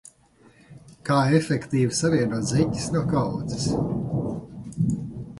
Kā efektīvi savienot zeķes no kaudzes?